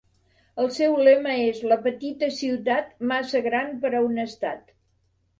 El seu lema és La petita ciutat massa gran per a un estat.